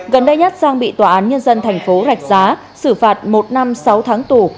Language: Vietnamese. gần đây nhất sang bị tòa án nhân dân thành phố rạch giá xử phạt một năm sáu tháng tù